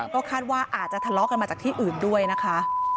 ก็คาดว่าอาจจะทะเลาะกันมาจากที่อื่นด้วยนะคะ